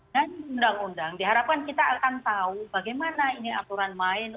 dan undang undang diharapkan kita akan tahu bagaimana ini aturan main